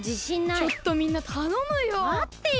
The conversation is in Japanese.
ちょっとみんなたのむよ。